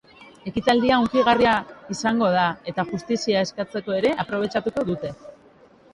Ekitaldia hunkigarria izango da eta justizia eskatzeko ere aprobetxatuko dute.